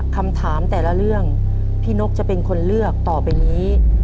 คำถามแต่ละเรื่องพี่นกจะเป็นคนเลือกต่อไปนี้